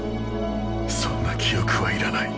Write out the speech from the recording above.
そんな記憶はいらない。